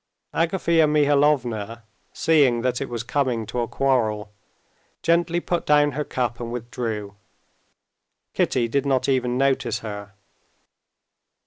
Agafea Mihalovna, seeing that it was coming to a quarrel, gently put down her cup and withdrew. Kitty did not even notice her.